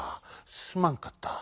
すまんかった。